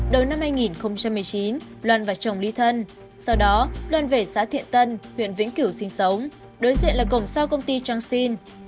đầu năm hai nghìn một mươi chín loan và chồng ly thân sau đó luân về xã thiện tân huyện vĩnh cửu sinh sống đối diện là cổng sao công ty trang sinh